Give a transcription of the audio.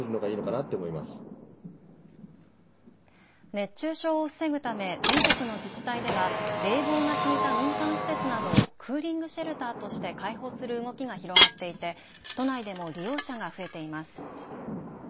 熱中症を防ぐため全国の自治体では冷房が効いた民間施設などをクーリングシェルターとして開放する動きが広がっていて都内でも利用者が増えています。